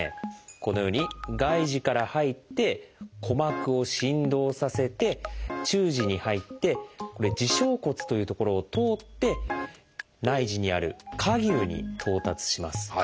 このように外耳から入って鼓膜を振動させて中耳に入って「耳小骨」という所を通って内耳にある「蝸牛」に到達します。